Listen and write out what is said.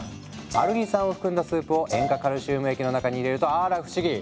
アルギン酸を含んだスープを塩化カルシウム液の中に入れるとあら不思議。